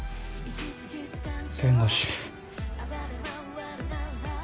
弁護士。